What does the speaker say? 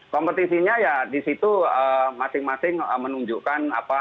kompetisinya ya di situ masing masing menunjukkan apa